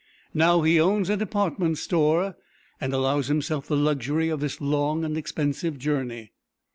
Now he owns a department store and allows himself the luxury of this long and expensive journey.